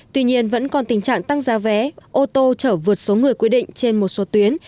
tuy nhiên vẫn còn tình trạng tăng giá vé ô tô chở vượt số người quy định trên một số tuyến